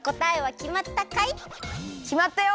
きまったよ！